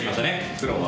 黒は。